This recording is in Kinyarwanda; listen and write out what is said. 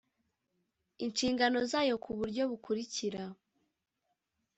inshingano zayo ku buryo bukurikira